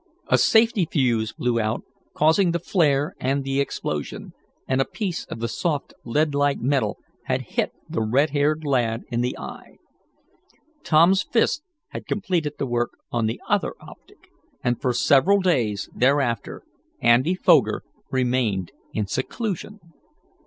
A safety fuse blew out, causing the flare and the explosion, and a piece of the soft lead like metal had hit the red haired lad in the eye. Tom's fist had completed the work on the other optic, and for several days thereafter Andy Foger remained in seclusion.